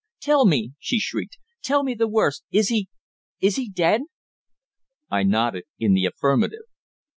Tell me," she shrieked. "Tell me the worst. Is he is he dead?" I nodded in the affirmative.